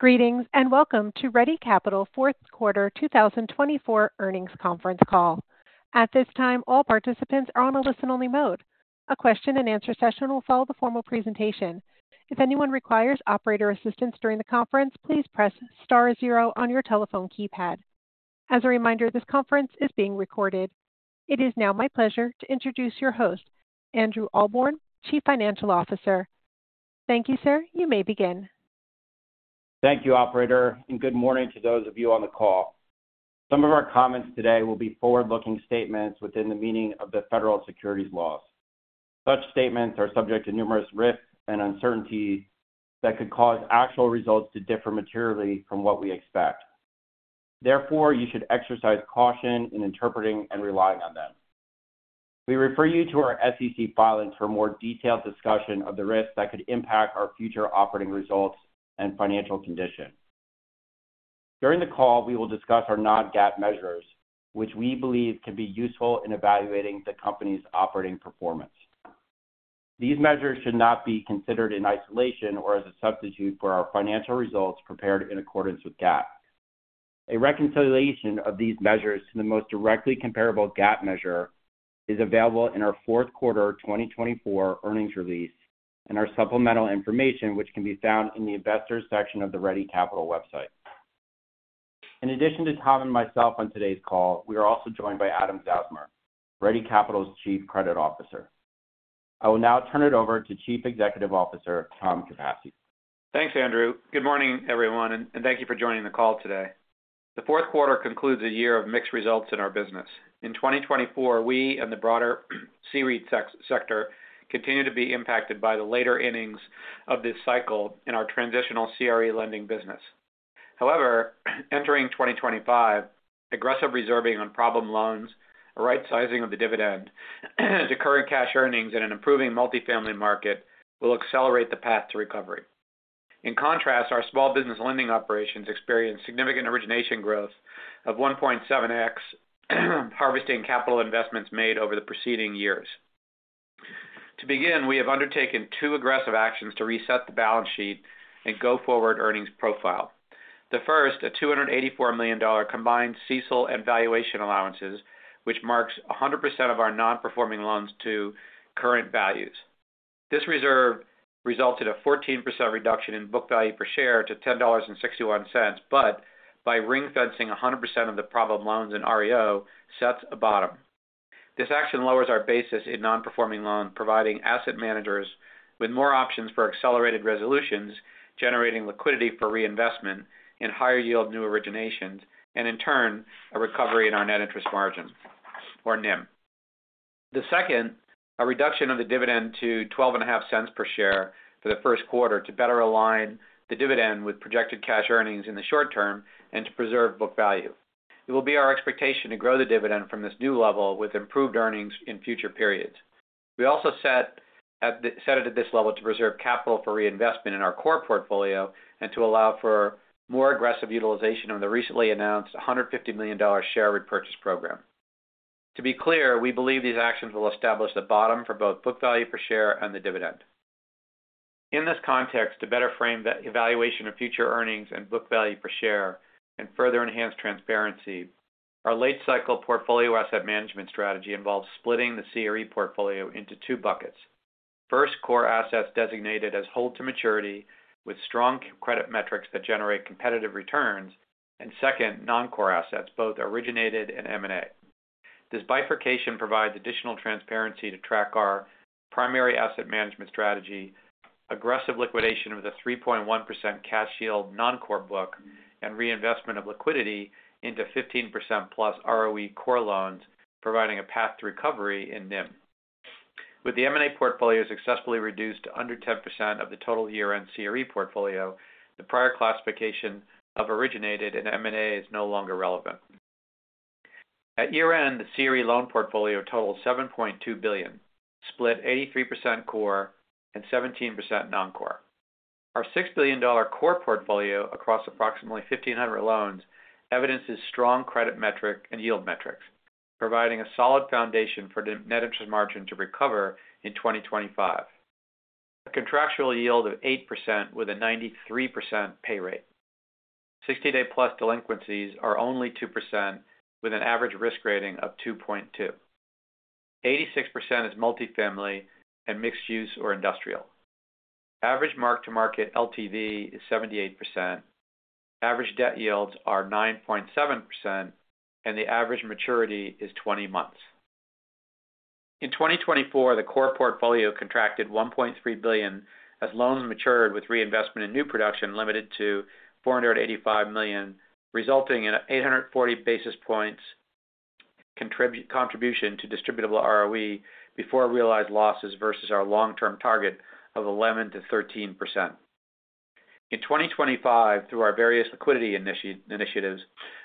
Greetings and welcome to Ready Capital Q4 2024 earnings conference call. At this time, all participants are on a listen-only mode. A question-and-answer session will follow the formal presentation. If anyone requires operator assistance during the conference, please press star zero on your telephone keypad. As a reminder, this conference is being recorded. It is now my pleasure to introduce your host, Andrew Ahlborn, Chief Financial Officer. Thank you, sir. You may begin. Thank you, Operator, and good morning to those of you on the call. Some of our comments today will be forward-looking statements within the meaning of the federal securities laws. Such statements are subject to numerous risks and uncertainties that could cause actual results to differ materially from what we expect. Therefore, you should exercise caution in interpreting and relying on them. We refer you to our SEC filings for more detailed discussion of the risks that could impact our future operating results and financial condition. During the call, we will discuss our non-GAAP measures, which we believe can be useful in evaluating the company's operating performance. These measures should not be considered in isolation or as a substitute for our financial results prepared in accordance with GAAP. A reconciliation of these measures to the most directly comparable GAAP measure is available in our fourth quarter 2024 earnings release and our supplemental information, which can be found in the investors' section of the Ready Capital website. In addition to Tom and myself on today's call, we are also joined by Adam Zausmer, Ready Capital's Chief Credit Officer. I will now turn it over to Chief Executive Officer Tom Capasse. Thanks, Andrew. Good morning, everyone, and thank you for joining the call today. The fourth quarter concludes a year of mixed results in our business. In 2024, we and the broader C-REIT sector continue to be impacted by the later innings of this cycle in our transitional CRE lending business. However, entering 2025, aggressive reserving on problem loans, a right-sizing of the dividend to current cash earnings, and an improving multifamily market will accelerate the path to recovery. In contrast, our small business lending operations experienced significant origination growth of 1.7X, harvesting capital investments made over the preceding years. To begin, we have undertaken two aggressive actions to reset the balance sheet and go forward earnings profile. The first, a $284 million combined CECL and valuation allowances, which marks 100% of our non-performing loans to current values. This reserve resulted in a 14% reduction in book value per share to $10.61, but by ring-fencing 100% of the problem loans in REO, sets a bottom. This action lowers our basis in non-performing loans, providing asset managers with more options for accelerated resolutions, generating liquidity for reinvestment in higher yield new originations, and in turn, a recovery in our net interest margin, or NIM. The second, a reduction of the dividend to $12.50 per share for the first quarter to better align the dividend with projected cash earnings in the short term and to preserve book value. It will be our expectation to grow the dividend from this new level with improved earnings in future periods. We also set it at this level to preserve capital for reinvestment in our core portfolio and to allow for more aggressive utilization of the recently announced $150 million share repurchase program. To be clear, we believe these actions will establish the bottom for both book value per share and the dividend. In this context, to better frame the evaluation of future earnings and book value per share and further enhance transparency, our late-cycle portfolio asset management strategy involves splitting the CRE portfolio into two buckets. First, core assets designated as hold to maturity with strong credit metrics that generate competitive returns, and second, non-core assets, both originated and M&A. This bifurcation provides additional transparency to track our primary asset management strategy, aggressive liquidation with a 3.1% cash yield non-core book, and reinvestment of liquidity into 15%+ ROE core loans, providing a path to recovery in NIM. With the M&A portfolio successfully reduced to under 10% of the total year-end CRE portfolio, the prior classification of originated and M&A is no longer relevant. At year-end, the CRE loan portfolio totals $7.2 billion, split 83% core and 17% non-core. Our $6 billion core portfolio across approximately 1,500 loans evidences strong credit metrics and yield metrics, providing a solid foundation for net interest margin to recover in 2025. A contractual yield of 8% with a 93% pay rate. 60-day plus delinquencies are only 2% with an average risk rating of 2.2. 86% is multifamily and mixed-use or industrial. Average mark-to-market LTV is 78%. Average debt yields are 9.7%, and the average maturity is 20 months. In 2024, the core portfolio contracted $1.3 billion as loans matured with reinvestment in new production limited to $485 million, resulting in an 840 basis points contribution to distributable ROE before realized losses versus our long-term target of 11% to 13%. In 2025, through our various liquidity initiatives,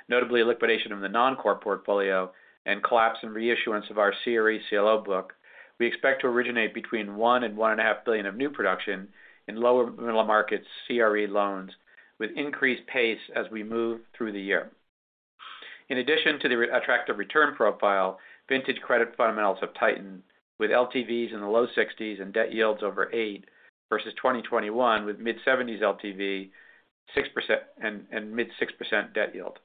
notably liquidation of the non-core portfolio and collapse and reissuance of our CRE CLO book, we expect to originate between $1 billion and $1.5 billion of new production in lower-middle market CRE loans with increased pace as we move through the year. In addition to the attractive return profile, vintage credit fundamentals have tightened with LTVs in the low 60% and debt yields over 8% versus 2021 with mid-70% LTV and mid-6% debt yield.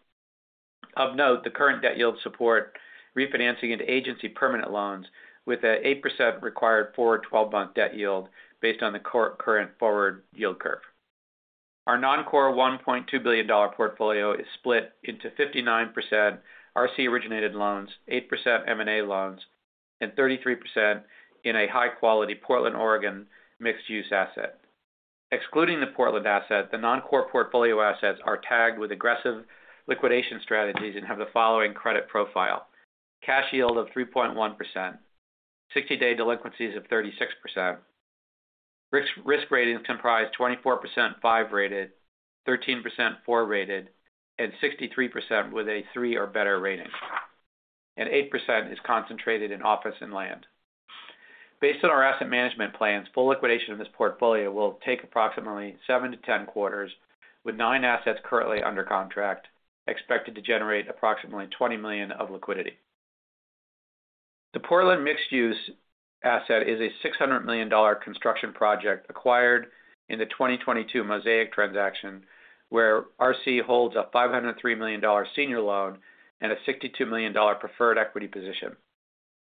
Of note, the current debt yield support refinancing into agency permanent loans with an 8% required forward 12-month debt yield based on the current forward yield curve. Our non-core $1.2 billion portfolio is split into 59% RC originated loans, 8% M&A loans, and 33% in a high-quality Portland, Oregon mixed-use asset. Excluding the Portland asset, the non-core portfolio assets are tagged with aggressive liquidation strategies and have the following credit profile: cash yield of 3.1%, 60-day delinquencies of 36%, risk ratings comprised 24% 5-rated, 13% 4-rated, and 63% with a 3 or better rating, and 8% is concentrated in office and land. Based on our asset management plans, full liquidation of this portfolio will take approximately 7-10 quarters with 9 assets currently under contract, expected to generate approximately $20 million of liquidity. The Portland mixed-use asset is a $600 million construction project acquired in the 2022 Mosaic transaction where RC holds a $503 million senior loan and a $62 million preferred equity position.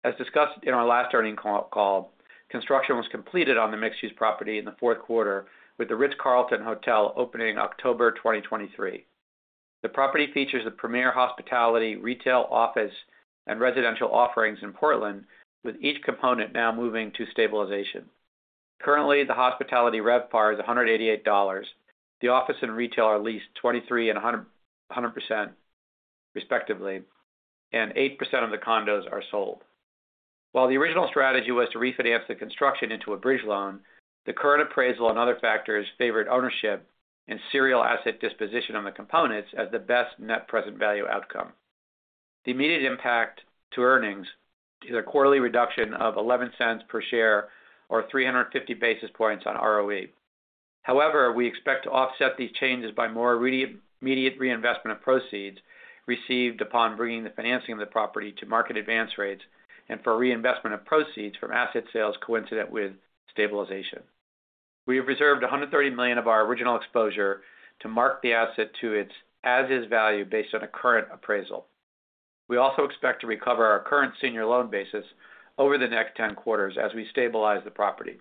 As discussed in our last earnings call, construction was completed on the mixed-use property in the fourth quarter with the Ritz-Carlton Hotel opening October 2023. The property features the premier hospitality, retail, office, and residential offerings in Portland, with each component now moving to stabilization. Currently, the hospitality rev par is $188. The office and retail are leased 23% and 100% respectively, and 8% of the condos are sold. While the original strategy was to refinance the construction into a bridge loan, the current appraisal and other factors favored ownership and serial asset disposition of the components as the best net present value outcome. The immediate impact to earnings is a quarterly reduction of $0.11 per share or 350 basis points on ROE. However, we expect to offset these changes by more immediate reinvestment of proceeds received upon bringing the financing of the property to market advance rates and for reinvestment of proceeds from asset sales coincident with stabilization. We have reserved $130 million of our original exposure to mark the asset to its as-is value based on a current appraisal. We also expect to recover our current senior loan basis over the next 10 quarters as we stabilize the property.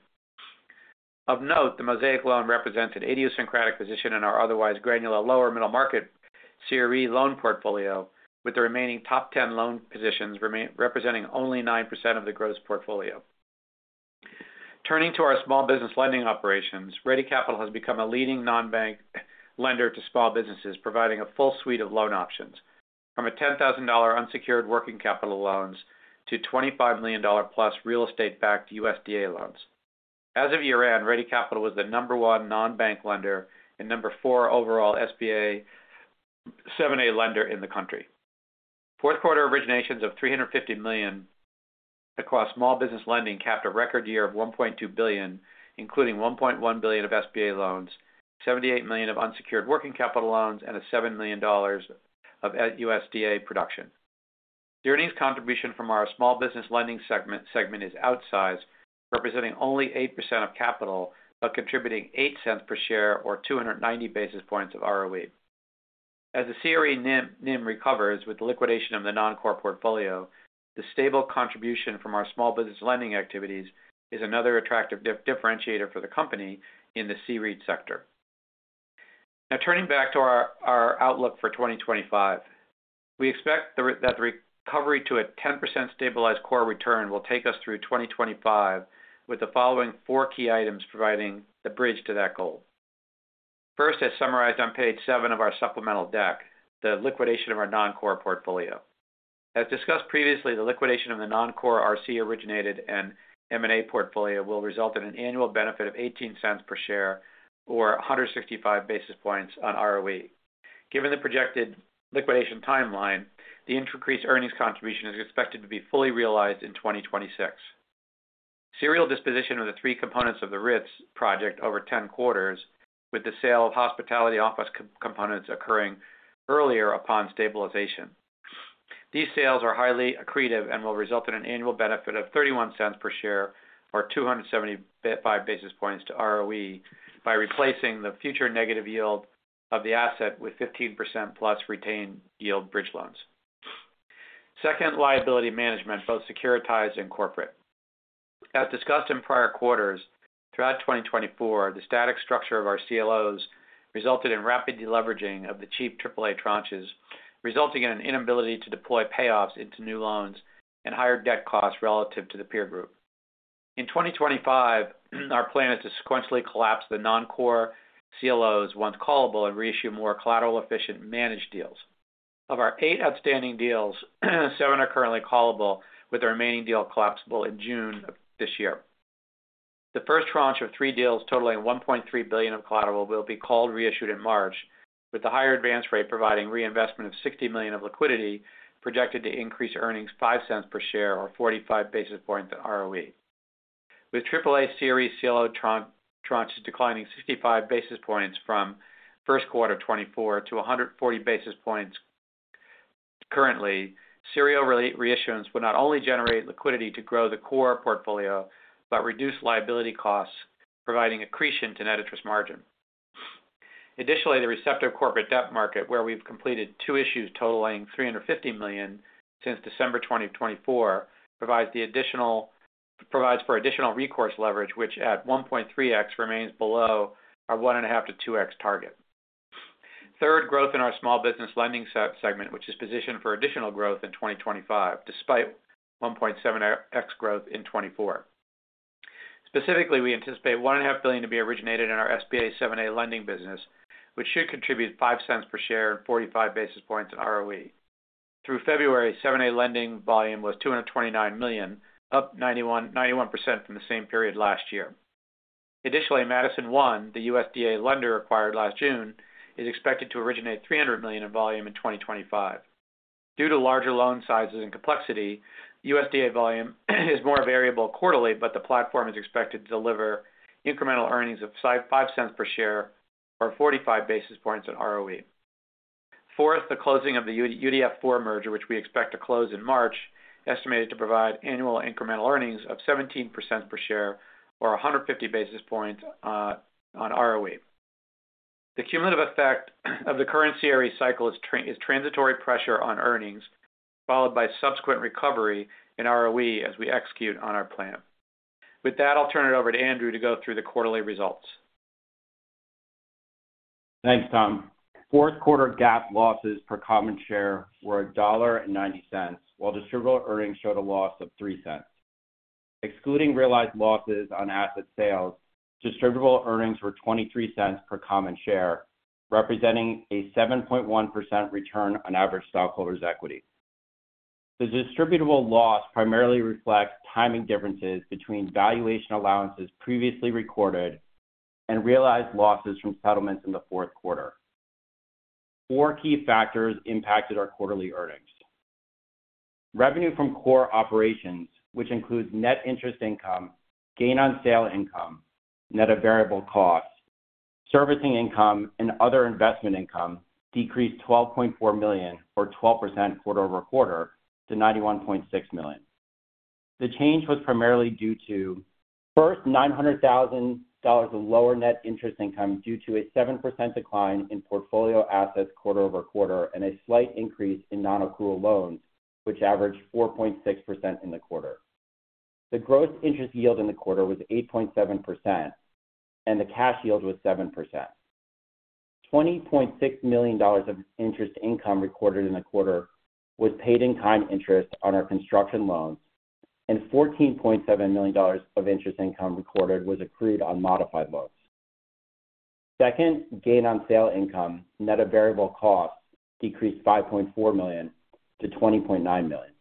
Of note, the Mosaic loan represents an idiosyncratic position in our otherwise granular lower-middle market CRE loan portfolio, with the remaining top 10 loan positions representing only 9% of the gross portfolio. Turning to our small business lending operations, Ready Capital has become a leading non-bank lender to small businesses, providing a full suite of loan options, from $10,000 unsecured working capital loans to $25 million plus real estate-backed USDA loans. As of year-end, Ready Capital was the number one non-bank lender and number four overall SBA 7(a) lender in the country. Q4 originations of $350 million across small business lending capped a record year of $1.2 billion, including $1.1 billion of SBA loans, $78 million of unsecured working capital loans, and $7 million of USDA production. The earnings contribution from our small business lending segment is outsized, representing only 8% of capital but contributing $0.08 per share or 290 basis points of ROE. As the CRE NIM recovers with the liquidation of the non-core portfolio, the stable contribution from our small business lending activities is another attractive differentiator for the company in the C-REIT sector. Now, turning back to our outlook for 2025, we expect that the recovery to a 10% stabilized core return will take us through 2025 with the following four key items providing the bridge to that goal. First, as summarized on page seven of our supplemental deck, the liquidation of our non-core portfolio. As discussed previously, the liquidation of the non-core RC originated and M&A portfolio will result in an annual benefit of $0.18 per share or 165 basis points on ROE. Given the projected liquidation timeline, the increased earnings contribution is expected to be fully realized in 2026. Serial disposition of the three components of the RITS project over 10 quarters, with the sale of hospitality office components occurring earlier upon stabilization. These sales are highly accretive and will result in an annual benefit of $0.31 per share or 275 basis points to ROE by replacing the future negative yield of the asset with 15% plus retained yield bridge loans. Second, liability management, both securitized and corporate. As discussed in prior quarters, throughout 2024, the static structure of our CLOs resulted in rapid deleveraging of the cheap AAA tranches, resulting in an inability to deploy payoffs into new loans and higher debt costs relative to the peer group. In 2025, our plan is to sequentially collapse the non-core CLOs once callable and reissue more collateral-efficient managed deals. Of our eight outstanding deals, seven are currently callable, with the remaining deal collapsible in June of this year. The first tranche of three deals totaling $1.3 billion of collateral will be called and reissued in March, with the higher advance rate providing reinvestment of $60 million of liquidity projected to increase earnings $0.05 per share or 45 basis points of ROE. With AAA CRE CLO tranches declining 65 basis points from first quarter 2024 to 140 basis points currently, serial reissuance would not only generate liquidity to grow the core portfolio but reduce liability costs, providing accretion to net interest margin. Additionally, the receptive corporate debt market, where we've completed two issues totaling $350 million since December 2024, provides for additional recourse leverage, which at 1.3x remains below our 1.5x-2x target. Third, growth in our small business lending segment, which is positioned for additional growth in 2025, despite 1.7x growth in 2024. Specifically, we anticipate $1.5 billion to be originated in our SBA 7(a) lending business, which should contribute $0.05 per share and 45 basis points of ROE. Through February, 7(a) lending volume was $229 million, up 91% from the same period last year. Additionally, Madison One, the USDA lender acquired last June, is expected to originate $300 million in volume in 2025. Due to larger loan sizes and complexity, USDA volume is more variable quarterly, but the platform is expected to deliver incremental earnings of $0.05 per share or 45 basis points of ROE. Fourth, the closing of the UDF4 merger, which we expect to close in March, is estimated to provide annual incremental earnings of $0.17 per share or 150 basis points on ROE. The cumulative effect of the current CRE cycle is transitory pressure on earnings, followed by subsequent recovery in ROE as we execute on our plan. With that, I'll turn it over to Andrew to go through the quarterly results. Thanks, Tom. Fourth quarter GAAP losses per common share were $1.90, while distributable earnings showed a loss of $0.03. Excluding realized losses on asset sales, distributable earnings were $0.23 per common share, representing a 7.1% return on average stockholders' equity. The distributable loss primarily reflects timing differences between valuation allowances previously recorded and realized losses from settlements in the fourth quarter. Four key factors impacted our quarterly earnings. Revenue from core operations, which includes net interest income, gain on sale income, net of variable costs, servicing income, and other investment income, decreased $12.4 million or 12% quarter over quarter to $91.6 million. The change was primarily due to, first, $900,000 of lower net interest income due to a 7% decline in portfolio assets quarter over quarter and a slight increase in non-accrual loans, which averaged 4.6% in the quarter. The gross interest yield in the quarter was 8.7%, and the cash yield was 7%. $20.6 million of interest income recorded in the quarter was paid-in-kind interest on our construction loans, and $14.7 million of interest income recorded was accrued on modified loans. Second, gain on sale income, net of variable costs, decreased $5.4 million to $20.9 million.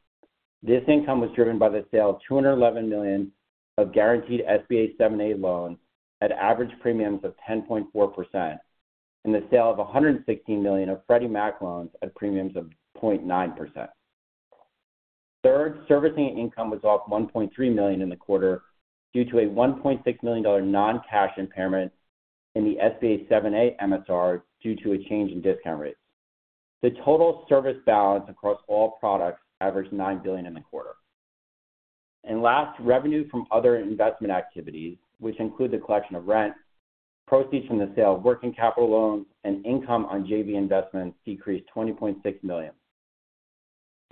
This income was driven by the sale of $211 million of guaranteed SBA 7(a) loans at average premiums of 10.4% and the sale of $116 million of Freddie Mac loans at premiums of 0.9%. Third, servicing income was off $1.3 million in the quarter due to a $1.6 million non-cash impairment in the SBA 7(a) MSR due to a change in discount rates. The total service balance across all products averaged $9 billion in the quarter. Last, revenue from other investment activities, which include the collection of rent, proceeds from the sale of working capital loans, and income on JV investments decreased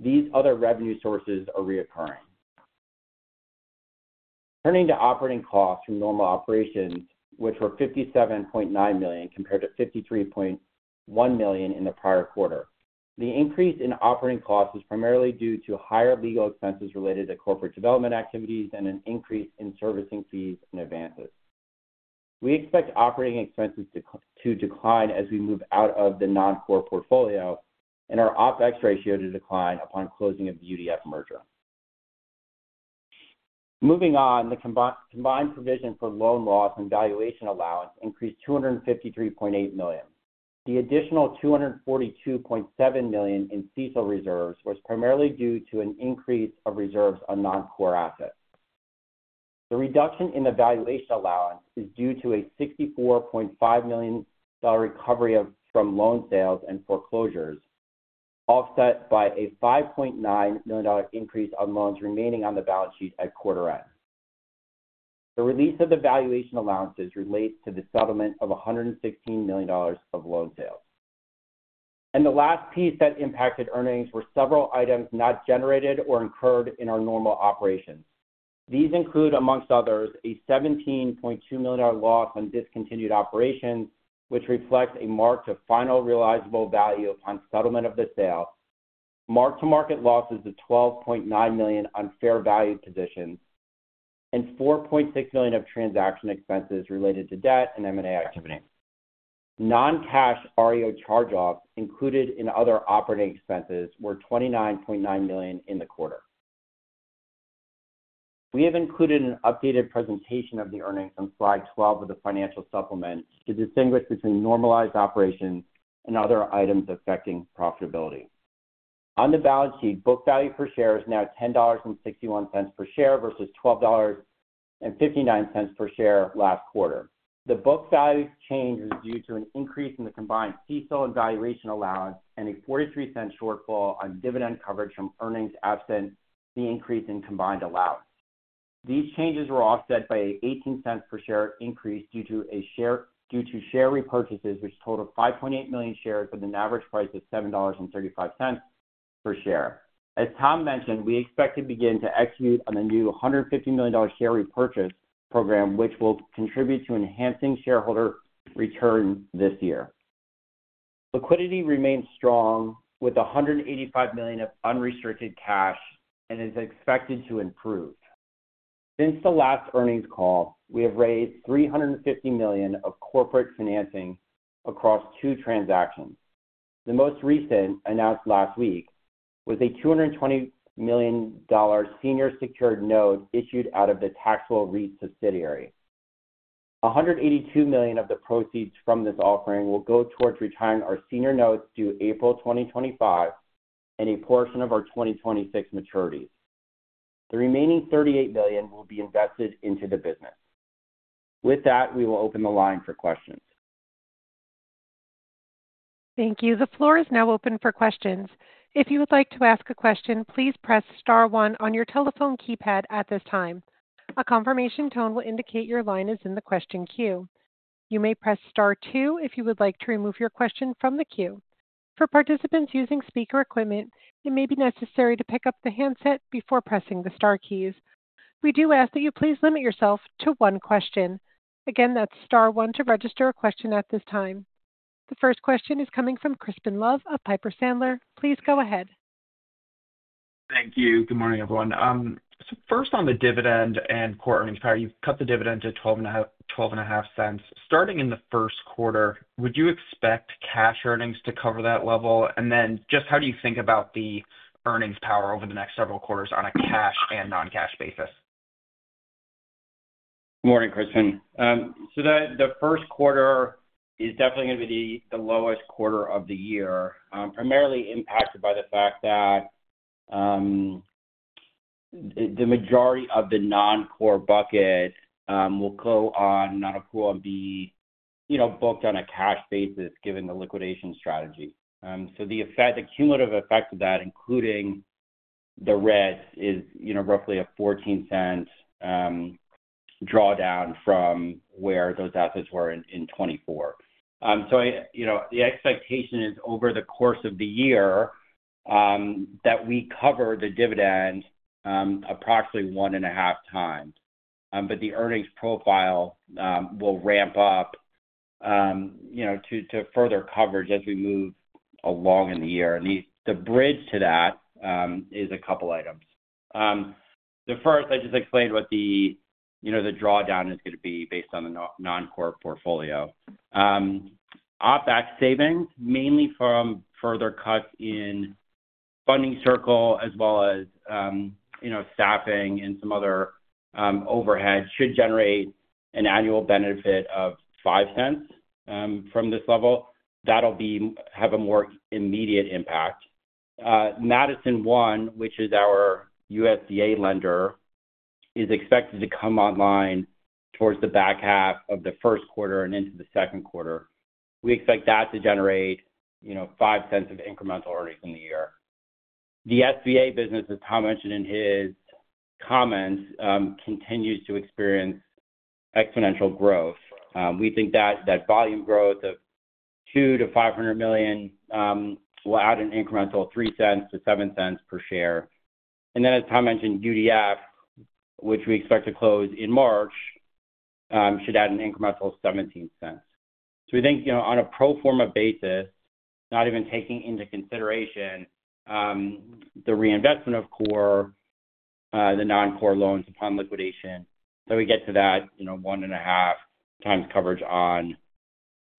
$20.6 million. These other revenue sources are reoccurring. Turning to operating costs from normal operations, which were $57.9 million compared to $53.1 million in the prior quarter, the increase in operating costs is primarily due to higher legal expenses related to corporate development activities and an increase in servicing fees and advances. We expect operating expenses to decline as we move out of the non-core portfolio and our OpEx ratio to decline upon closing of the UDF merger. Moving on, the combined provision for loan loss and valuation allowance increased $253.8 million. The additional $242.7 million in CSO reserves was primarily due to an increase of reserves on non-core assets. The reduction in the valuation allowance is due to a $64.5 million recovery from loan sales and foreclosures, offset by a $5.9 million increase on loans remaining on the balance sheet at quarter end. The release of the valuation allowances relates to the settlement of $116 million of loan sales. The last piece that impacted earnings were several items not generated or incurred in our normal operations. These include, amongst others, a $17.2 million loss on discontinued operations, which reflects a mark to final realizable value upon settlement of the sale, mark to market losses of $12.9 million on fair value positions, and $4.6 million of transaction expenses related to debt and M&A activity. Non-cash REO charge-offs included in other operating expenses were $29.9 million in the quarter. We have included an updated presentation of the earnings on slide 12 of the financial supplement to distinguish between normalized operations and other items affecting profitability. On the balance sheet, book value per share is now $10.61 per share versus $12.59 per share last quarter. The book value change is due to an increase in the combined CSO and valuation allowance and a $0.43 shortfall on dividend coverage from earnings absent the increase in combined allowance. These changes were offset by a $0.18 per share increase due to share repurchases, which totaled 5.8 million shares at an average price of $7.35 per share. As Tom mentioned, we expect to begin to execute on the new $150 million share repurchase program, which will contribute to enhancing shareholder returns this year. Liquidity remains strong with $185 million of unrestricted cash and is expected to improve. Since the last earnings call, we have raised $350 million of corporate financing across two transactions. The most recent, announced last week, was a $220 million senior secured note issued out of the Taxable REIT subsidiary. $182 million of the proceeds from this offering will go towards retiring our senior notes due April 2025 and a portion of our 2026 maturities. The remaining $38 million will be invested into the business. With that, we will open the line for questions. Thank you. The floor is now open for questions. If you would like to ask a question, please press Star one on your telephone keypad at this time. A confirmation tone will indicate your line is in the question queue. You may press Star two if you would like to remove your question from the queue. For participants using speaker equipment, it may be necessary to pick up the handset before pressing the Star keys. We do ask that you please limit yourself to one question. Again, that's Star one to register a question at this time. The first question is coming from Crispin Love of Piper Sandler. Please go ahead. Thank you. Good morning, everyone. First, on the dividend and core earnings power, you've cut the dividend to $12.50. Starting in the first quarter, would you expect cash earnings to cover that level? How do you think about the earnings power over the next several quarters on a cash and non-cash basis? Good morning, Crispin. The first quarter is definitely going to be the lowest quarter of the year, primarily impacted by the fact that the majority of the non-core bucket will go on non-accrual and be booked on a cash basis given the liquidation strategy. The cumulative effect of that, including the REITs, is roughly a $0.14 drawdown from where those assets were in 2024. The expectation is over the course of the year that we cover the dividend approximately one and a half times, but the earnings profile will ramp up to further coverage as we move along in the year. The bridge to that is a couple of items. The first, I just explained what the drawdown is going to be based on the non-core portfolio. OpEx savings, mainly from further cuts in Funding Circle as well as staffing and some other overhead, should generate an annual benefit of $0.05 from this level. That will have a more immediate impact. Madison One, which is our USDA lender, is expected to come online towards the back half of the first quarter and into the second quarter. We expect that to generate $0.05 of incremental earnings in the year. The SBA business, as Tom mentioned in his comments, continues to experience exponential growth. We think that volume growth of $200 million-$500 million will add an incremental $0.03 to $0.07 per share. As Tom mentioned, UDF, which we expect to close in March, should add an incremental $0.17. We think on a pro forma basis, not even taking into consideration the reinvestment of core, the non-core loans upon liquidation, that we get to that one and a half times coverage on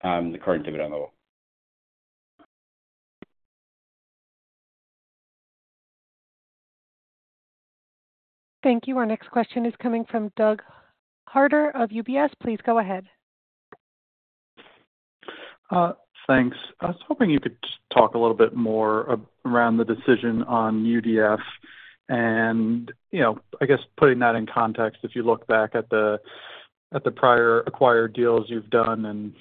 the current dividend level. Thank you. Our next question is coming from Doug Harter of UBS. Please go ahead. Thanks. I was hoping you could talk a little bit more around the decision on UDF and, I guess, putting that in context. If you look back at the prior acquired deals you've done and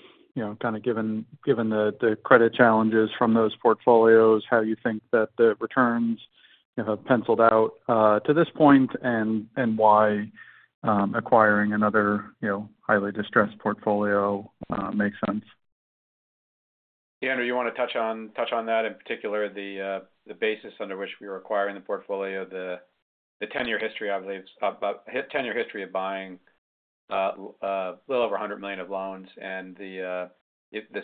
kind of given the credit challenges from those portfolios, how you think that the returns have penciled out to this point and why acquiring another highly distressed portfolio makes sense. Yeah. You want to touch on that in particular, the basis under which we were acquiring the portfolio, the 10-year history, I believe, about 10-year history of buying a little over $100 million of loans and the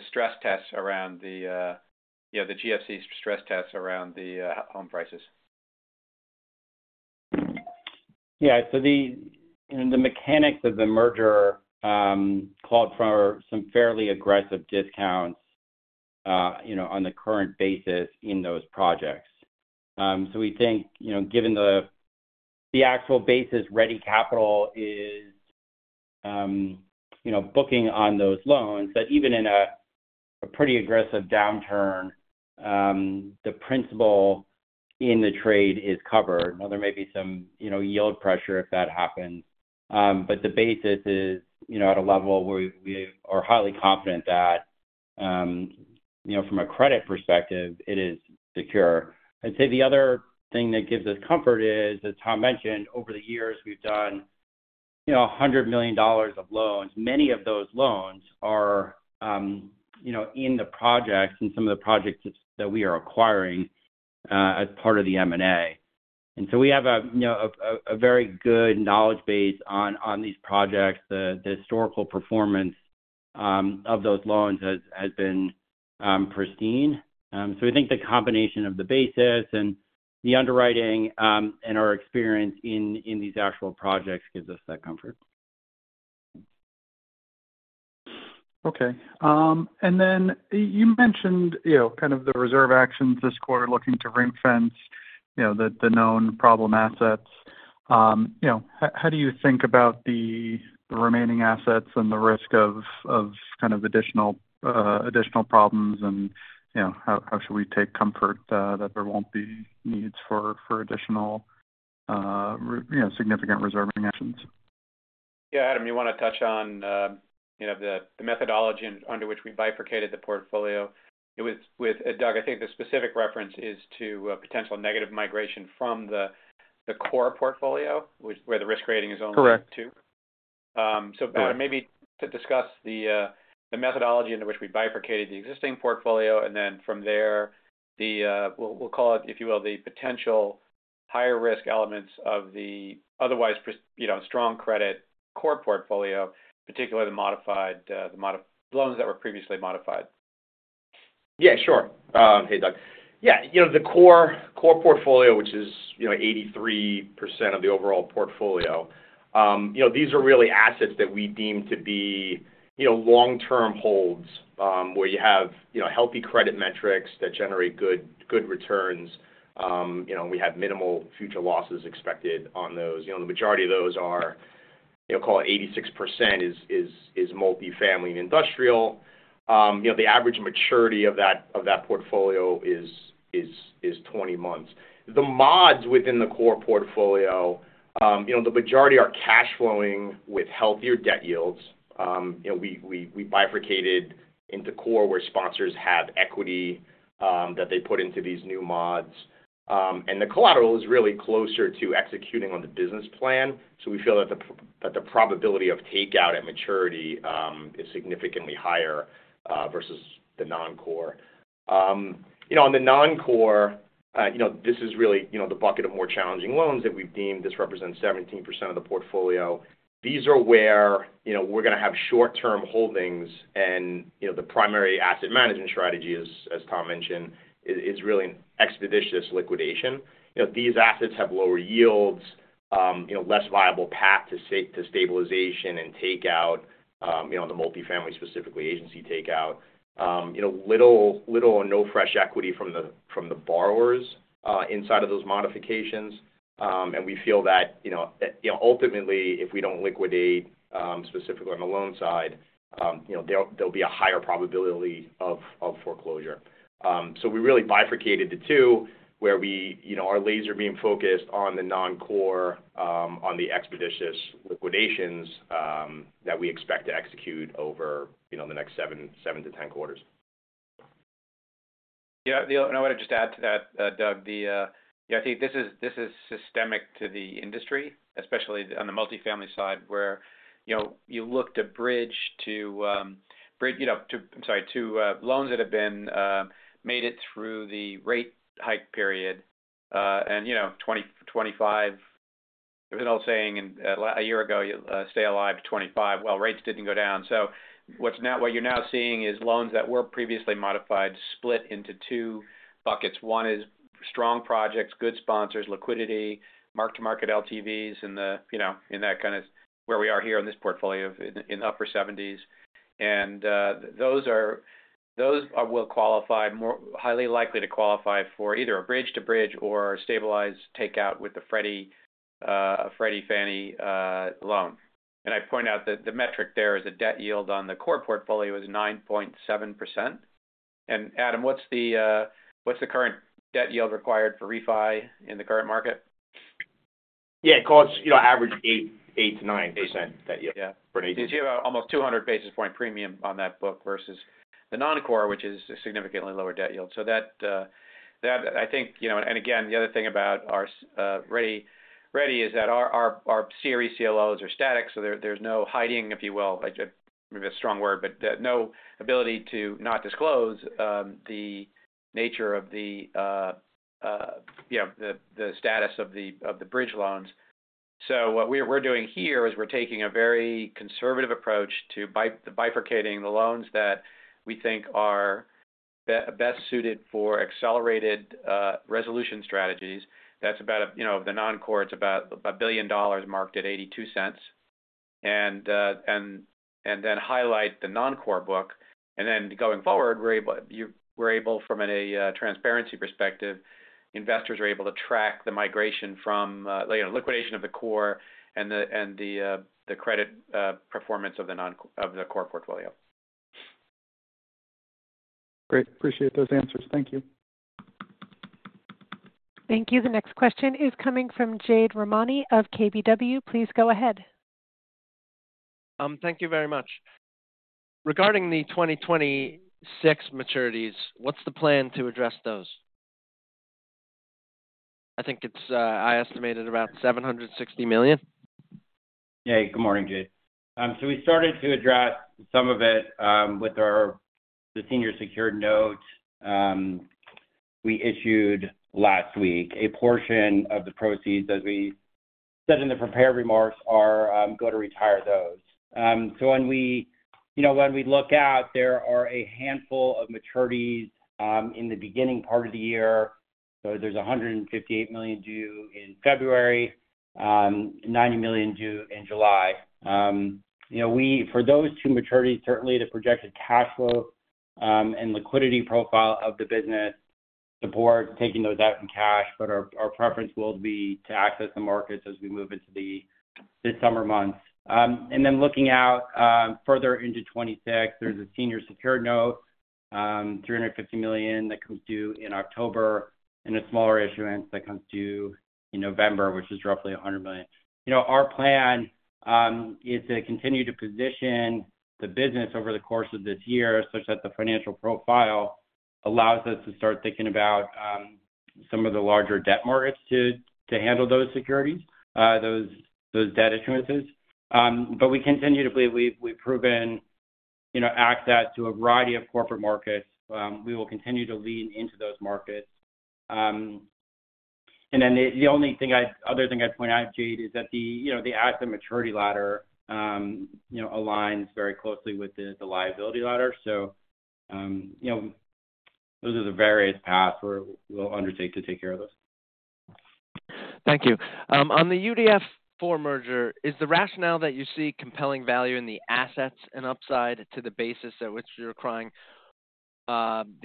stress tests around the GFC stress tests around the home prices. Yeah. The mechanics of the merger called for some fairly aggressive discounts on the current basis in those projects. We think, given the actual basis Ready Capital is booking on those loans, that even in a pretty aggressive downturn, the principal in the trade is covered. Now, there may be some yield pressure if that happens, but the basis is at a level where we are highly confident that from a credit perspective, it is secure. I'd say the other thing that gives us comfort is, as Tom mentioned, over the years, we've done $100 million of loans. Many of those loans are in the projects and some of the projects that we are acquiring as part of the M&A. We have a very good knowledge base on these projects. The historical performance of those loans has been pristine. We think the combination of the basis and the underwriting and our experience in these actual projects gives us that comfort. Okay. You mentioned kind of the reserve actions this quarter, looking to ring-fence the known problem assets. How do you think about the remaining assets and the risk of kind of additional problems? How should we take comfort that there won't be needs for additional significant reserving actions? Yeah. Adam, you want to touch on the methodology under which we bifurcated the portfolio. It was with Doug. I think the specific reference is to potential negative migration from the core portfolio, where the risk rating is only two. Correct. Maybe to discuss the methodology under which we bifurcated the existing portfolio and then from there, we'll call it, if you will, the potential higher risk elements of the otherwise strong credit core portfolio, particularly the loans that were previously modified. Yeah. Sure. Hey, Doug. Yeah. The core portfolio, which is 83% of the overall portfolio, these are really assets that we deem to be long-term holds where you have healthy credit metrics that generate good returns. We have minimal future losses expected on those. The majority of those are, call it 86%, is multifamily and industrial. The average maturity of that portfolio is 20 months. The mods within the core portfolio, the majority are cash flowing with healthier debt yields. We bifurcated into core where sponsors have equity that they put into these new mods. And the collateral is really closer to executing on the business plan. So we feel that the probability of takeout at maturity is significantly higher versus the non-core. On the non-core, this is really the bucket of more challenging loans that we've deemed this represents 17% of the portfolio. These are where we're going to have short-term holdings. The primary asset management strategy, as Tom mentioned, is really expeditious liquidation. These assets have lower yields, less viable path to stabilization and takeout, the multifamily specifically, agency takeout. Little or no fresh equity from the borrowers inside of those modifications. We feel that ultimately, if we do not liquidate specifically on the loan side, there will be a higher probability of foreclosure. We really bifurcated the two where our laser beam focused on the non-core, on the expeditious liquidations that we expect to execute over the next 7-10 quarters. Yeah. I want to just add to that, Doug. Yeah. I think this is systemic to the industry, especially on the multifamily side where you look to bridge to, I am sorry, to loans that have been made it through the rate hike period. There was an old saying a year ago, "Stay alive to 25." Rates did not go down. What you are now seeing is loans that were previously modified split into two buckets. One is strong projects, good sponsors, liquidity, mark-to-market LTVs, and that is kind of where we are here in this portfolio in the upper 70s. Those will qualify, highly likely to qualify for either a bridge-to-bridge or stabilized takeout with the Freddie or Fannie loan. I point out that the metric there is a debt yield on the core portfolio of 9.7%. Adam, what is the current debt yield required for refi in the current market? Yeah. It calls average 8% to 9% debt yield for an agency. You have almost 200 basis point premium on that book versus the non-core, which is a significantly lower debt yield. That, I think, and again, the other thing about our Ready is that our CRE CLOs are static. There is no hiding, if you will, maybe that is a strong word, but no ability to not disclose the nature of the status of the bridge loans. What we are doing here is we are taking a very conservative approach to bifurcating the loans that we think are best suited for accelerated resolution strategies. That is about the non-core, it is about $1 billion marked at $0.82. Then highlight the non-core book. Going forward, we are able, from a transparency perspective, investors are able to track the migration from liquidation of the core and the credit performance of the core portfolio. Great. Appreciate those answers. Thank you. Thank you. The next question is coming from Jade Rahmani of KBW. Please go ahead. Thank you very much. Regarding the 2026 maturities, what's the plan to address those? I think I estimated about $760 million. Good morning, Jade. We started to address some of it with the senior secured note we issued last week. A portion of the proceeds, as we said in the prepared remarks, are going to retire those. When we look out, there are a handful of maturities in the beginning part of the year. There's $158 million due in February, $90 million due in July. For those two maturities, certainly the projected cash flow and liquidity profile of the business supports taking those out in cash, but our preference will be to access the markets as we move into the summer months. Looking out further into 2026, there is a senior secured note, $350 million that comes due in October and a smaller issuance that comes due in November, which is roughly $100 million. Our plan is to continue to position the business over the course of this year such that the financial profile allows us to start thinking about some of the larger debt markets to handle those securities, those debt issuances. We continue to believe we have proven access to a variety of corporate markets. We will continue to lean into those markets. The only other thing I would point out, Jade, is that the asset maturity ladder aligns very closely with the liability ladder. Those are the various paths we will undertake to take care of those. Thank you. On the UDF four merger, is the rationale that you see compelling value in the assets and upside to the basis at which you're acquiring the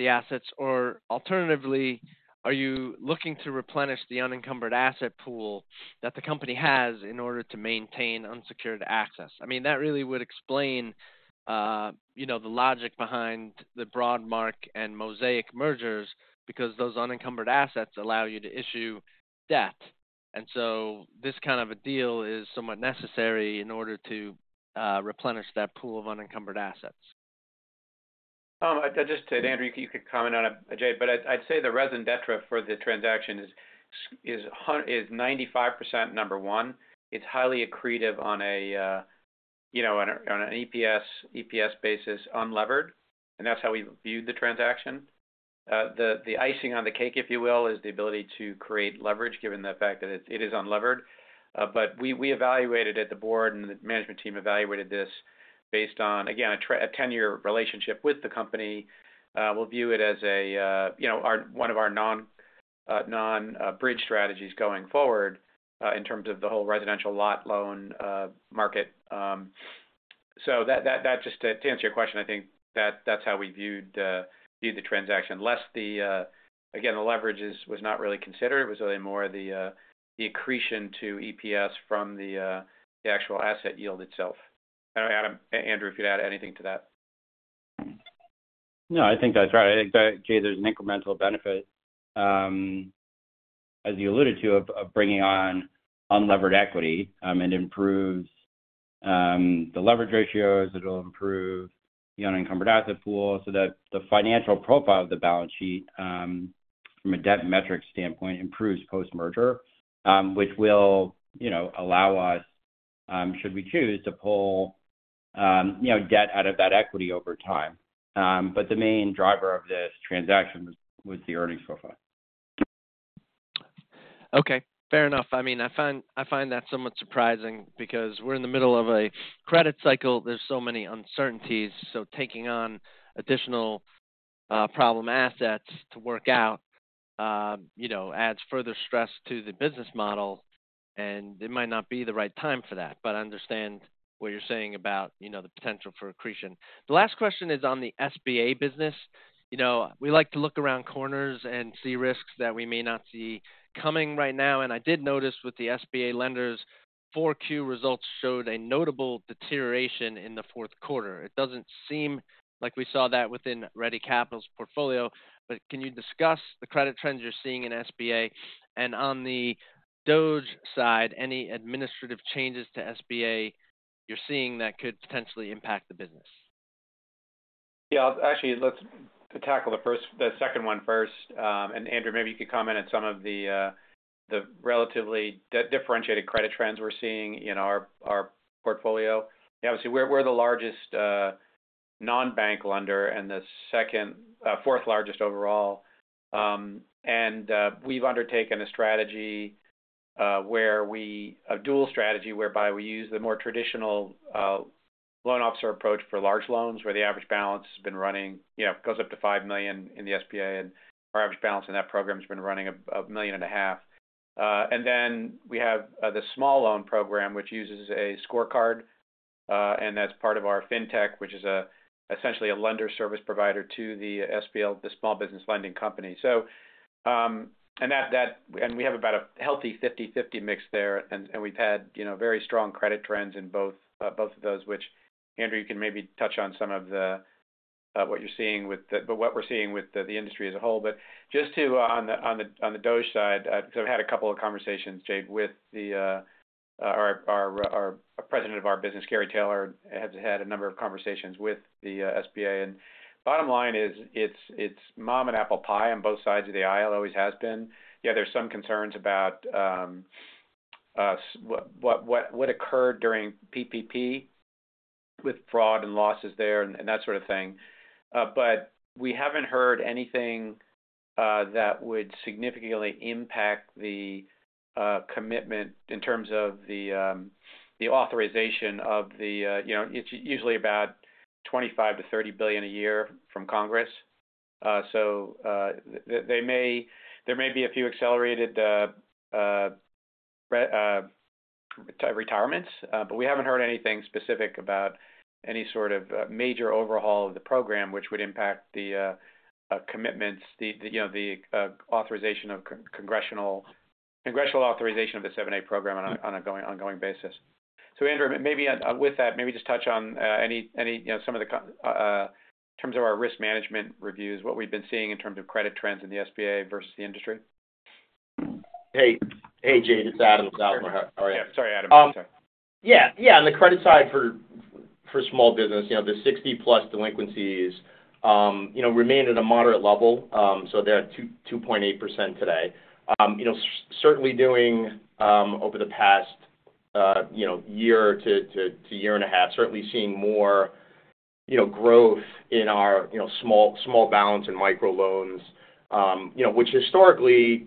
assets? I mean, are you looking to replenish the unencumbered asset pool that the company has in order to maintain unsecured assets? I mean, that really would explain the logic behind the Broadmark and Mosaic mergers because those unencumbered assets allow you to issue debt. This kind of a deal is somewhat necessary in order to replenish that pool of unencumbered assets. Just to add, Andrew, you could comment on it, Jade, but I'd say the res in detri for the transaction is 95% number one. It's highly accretive on an EPS basis unlevered. That's how we viewed the transaction. The icing on the cake, if you will, is the ability to create leverage given the fact that it is unlevered. We evaluated it at the board, and the management team evaluated this based on, again, a 10-year relationship with the company. We view it as one of our non-bridge strategies going forward in terms of the whole residential lot loan market. Just to answer your question, I think that's how we viewed the transaction, less the, again, the leverage was not really considered. It was really more the accretion to EPS from the actual asset yield itself. I don't know, Adam, Andrew, if you'd add anything to that. No, I think that's right. I think that, Jade, there's an incremental benefit, as you alluded to, of bringing on unlevered equity. It improves the leverage ratios. It'll improve the unencumbered asset pool so that the financial profile of the balance sheet from a debt metric standpoint improves post-merger, which will allow us, should we choose, to pull debt out of that equity over time. The main driver of this transaction was the earnings profile. Okay. Fair enough. I mean, I find that somewhat surprising because we're in the middle of a credit cycle. There's so many uncertainties. Taking on additional problem assets to work out adds further stress to the business model. It might not be the right time for that, but I understand what you're saying about the potential for accretion. The last question is on the SBA business. We like to look around corners and see risks that we may not see coming right now. I did notice with the SBA lenders, 4Q results showed a notable deterioration in the fourth quarter. It doesn't seem like we saw that within Ready Capital's portfolio. Can you discuss the credit trends you're seeing in SBA? On the DOGE side, any administrative changes to SBA you're seeing that could potentially impact the business? Yeah. Actually, let's tackle the second one first. Andrew, maybe you could comment on some of the relatively differentiated credit trends we're seeing in our portfolio. Obviously, we're the largest non-bank lender and the fourth largest overall. We've undertaken a strategy where we have a dual strategy whereby we use the more traditional loan officer approach for large loans where the average balance has been running, goes up to $5 million in the SBA, and our average balance in that program has been running $1.5 million. We have the small loan program, which uses a scorecard. That is part of our FinTech, which is essentially a lender service provider to the small business lending company. We have about a healthy 50/50 mix there. We have had very strong credit trends in both of those, which, Andrew, you can maybe touch on some of what you are seeing with the industry as a whole. Just on the DOGE side, because I have had a couple of conversations, Jade, with our President of our business, Gary Taylor, who has had a number of conversations with the SBA. Bottom line is it is mom and apple pie on both sides of the aisle. It always has been. There are some concerns about what occurred during PPP with fraud and losses there and that sort of thing. We haven't heard anything that would significantly impact the commitment in terms of the authorization. It's usually about $25 billion-$30 billion a year from Congress. There may be a few accelerated retirements, but we haven't heard anything specific about any sort of major overhaul of the program, which would impact the commitments, the authorization of congressional authorization of the 7(a) program on an ongoing basis. Andrew, maybe with that, maybe just touch on some of the, in terms of our risk management reviews, what we've been seeing in terms of credit trends in the SBA versus the industry. Hey. Hey, Jade. It's Adam Zausmer. Sorry, Adam. Sorry. Yeah. On the credit side for small business, the 60+ delinquencies remained at a moderate level. They're at 2.8% today. Certainly, doing over the past year to year and a half, certainly seeing more growth in our small balance and microloans, which historically,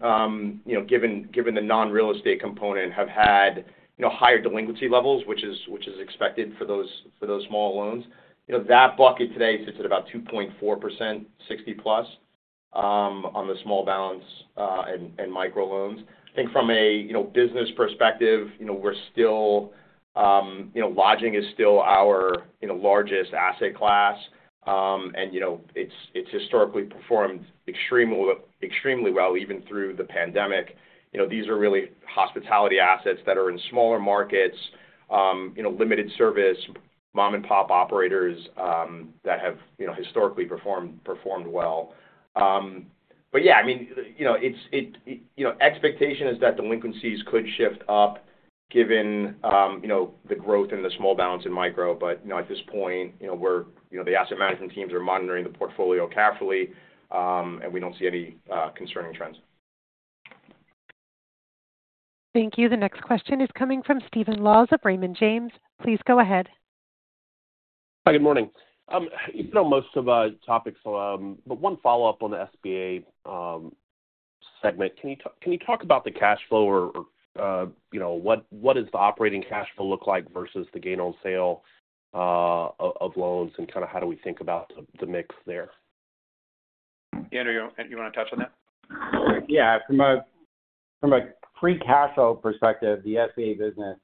given the non-real estate component, have had higher delinquency levels, which is expected for those small loans. That bucket today sits at about 2.4%, 60+, on the small balance and microloans. I think from a business perspective, we're still lodging is still our largest asset class. It's historically performed extremely well, even through the pandemic. These are really hospitality assets that are in smaller markets, limited service, mom-and-pop operators that have historically performed well. Yeah, I mean, expectation is that delinquencies could shift up given the growth in the small balance and micro. At this point, the asset management teams are monitoring the portfolio carefully, and we don't see any concerning trends. Thank you. The next question is coming from Stephen Laws of Raymond James. Please go ahead. Hi. Good morning. You know most of our topics, but one follow-up on the SBA segment. Can you talk about the cash flow or what does the operating cash flow look like versus the gain on sale of loans and kind of how do we think about the mix there? Andrew, you want to touch on that? Yeah. From a pre-cash flow perspective, the SBA business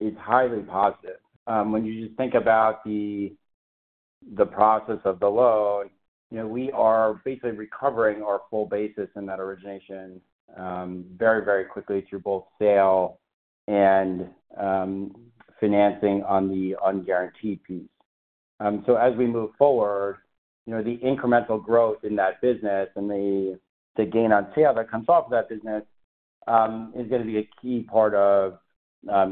is highly positive. When you just think about the process of the loan, we are basically recovering our full basis in that origination very, very quickly through both sale and financing on the unguaranteed piece. As we move forward, the incremental growth in that business and the gain on sale that comes off of that business is going to be a key part of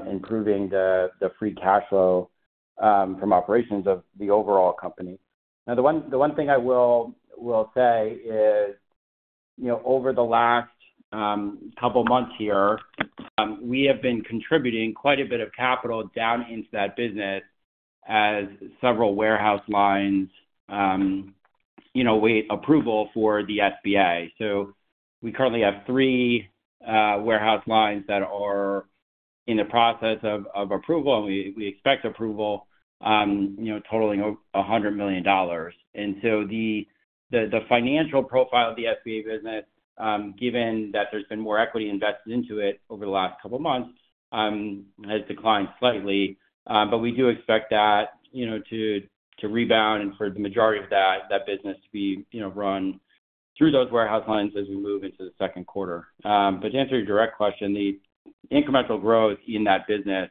improving the free cash flow from operations of the overall company. Now, the one thing I will say is over the last couple of months here, we have been contributing quite a bit of capital down into that business as several warehouse lines wait approval for the SBA. We currently have three warehouse lines that are in the process of approval, and we expect approval totaling $100 million. The financial profile of the SBA business, given that there's been more equity invested into it over the last couple of months, has declined slightly. We do expect that to rebound and for the majority of that business to be run through those warehouse lines as we move into the second quarter. To answer your direct question, the incremental growth in that business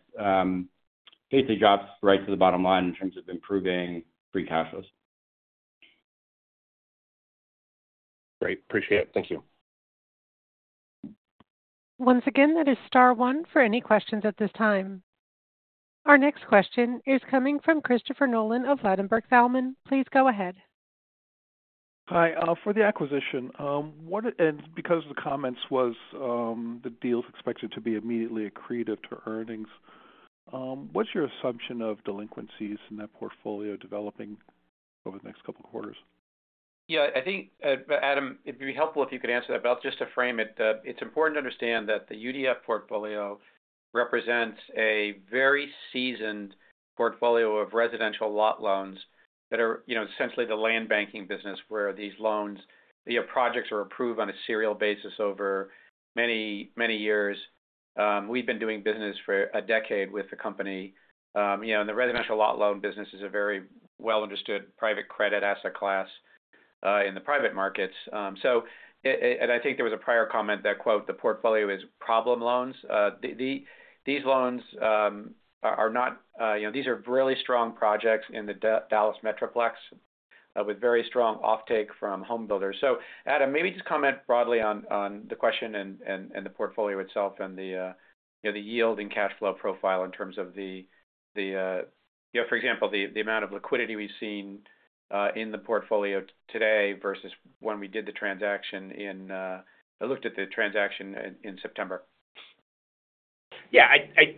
basically drops right to the bottom line in terms of improving free cash flows. Great. Appreciate it. Thank you. Once again, that is Star one for any questions at this time. Our next question is coming from Christopher Nolan of Ladenburg Thalmann. Please go ahead. Hi. For the acquisition, and because of the comments, was the deal expected to be immediately accretive to earnings? What's your assumption of delinquencies in that portfolio developing over the next couple of quarters? Yeah. I think, Adam, it'd be helpful if you could answer that. Just to frame it, it's important to understand that the UDF portfolio represents a very seasoned portfolio of residential lot loans that are essentially the land banking business where these loans, the projects are approved on a serial basis over many years. We've been doing business for a decade with the company. The residential lot loan business is a very well-understood private credit asset class in the private markets. I think there was a prior comment that, "The portfolio is problem loans." These loans are not. These are really strong projects in the Dallas Metroplex with very strong offtake from homebuilders. Adam, maybe just comment broadly on the question and the portfolio itself and the yield and cash flow profile in terms of the, for example, the amount of liquidity we've seen in the portfolio today versus when we did the transaction in I looked at the transaction in September. Yeah.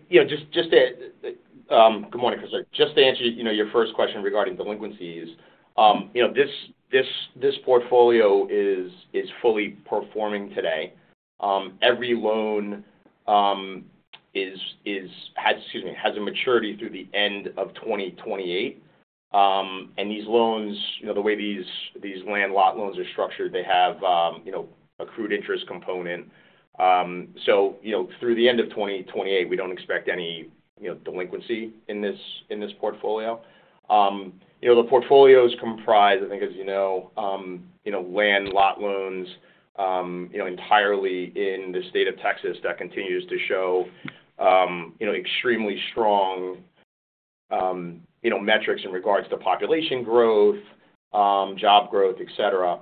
Good morning, Christopher. Just to answer your first question regarding delinquencies, this portfolio is fully performing today. Every loan has, excuse me, has a maturity through the end of 2028. And these loans, the way these land lot loans are structured, they have an accrued interest component. So through the end of 2028, we don't expect any delinquency in this portfolio. The portfolio is comprised, I think, as you know, land lot loans entirely in the state of Texas that continues to show extremely strong metrics in regards to population growth, job growth, etc.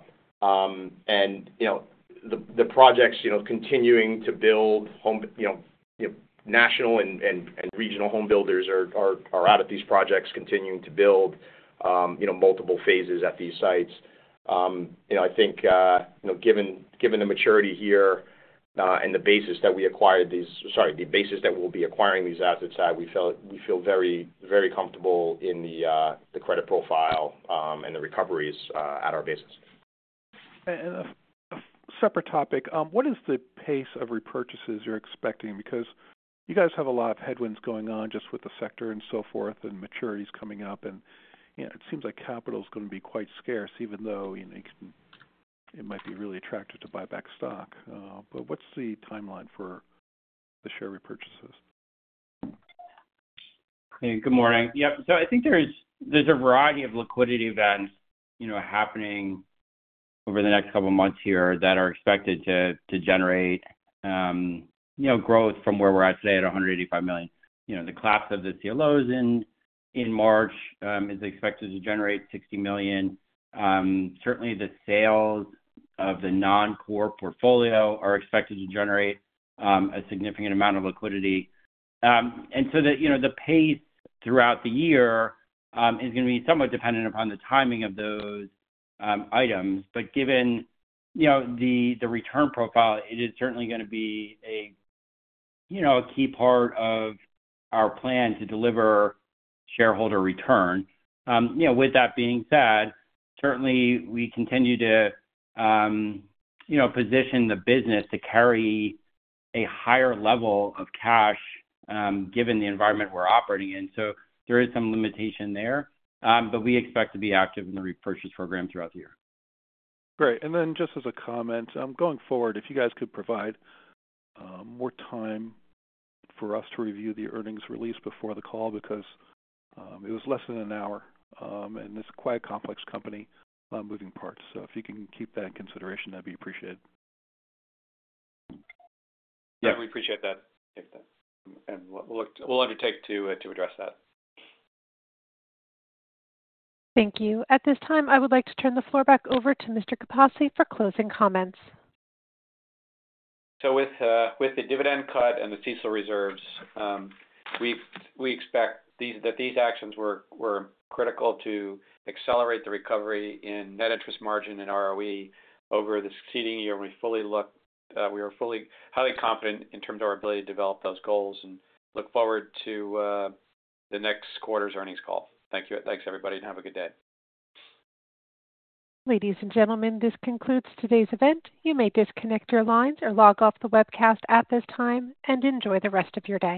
The projects continuing to build, national and regional homebuilders are out at these projects continuing to build multiple phases at these sites. I think given the maturity here and the basis that we acquired these—sorry, the basis that we'll be acquiring these assets at, we feel very comfortable in the credit profile and the recoveries at our basis. A separate topic, what is the pace of repurchases you're expecting? You guys have a lot of headwinds going on just with the sector and so forth and maturities coming up. It seems like capital is going to be quite scarce, even though it might be really attractive to buy back stock. What's the timeline for the share repurchases? Hey. Good morning. Yep. I think there's a variety of liquidity events happening over the next couple of months here that are expected to generate growth from where we're at today at $185 million. The collapse of the CLOs in March is expected to generate $60 million. Certainly, the sales of the non-core portfolio are expected to generate a significant amount of liquidity. The pace throughout the year is going to be somewhat dependent upon the timing of those items. Given the return profile, it is certainly going to be a key part of our plan to deliver shareholder return. With that being said, certainly, we continue to position the business to carry a higher level of cash given the environment we're operating in. There is some limitation there. We expect to be active in the repurchase program throughout the year. Great. Just as a comment, going forward, if you guys could provide more time for us to review the earnings release before the call because it was less than an hour. It is quite a complex company with moving parts. If you can keep that in consideration, that would be appreciated. Yeah. We appreciate that. We will undertake to address that. Thank you. At this time, I would like to turn the floor back over to Mr. Capasse for closing comments. With the dividend cut and the CSO reserves, we expect that these actions were critical to accelerate the recovery in net interest margin and ROE over the succeeding year. When we fully looked, we were fully highly confident in terms of our ability to develop those goals and look forward to the next quarter's earnings call. Thanks, everybody, and have a good day. Ladies and gentlemen, this concludes today's event. You may disconnect your lines or log off the webcast at this time and enjoy the rest of your day.